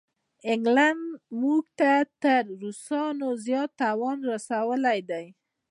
انګلینډ موږ ته تر روسانو زیات تاوان رسولی دی.